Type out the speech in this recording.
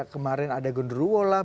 kemarin ada genruwo lah